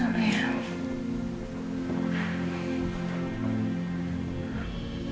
karena rena adalah putriku